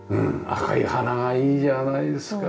赤い花がいいじゃないですか。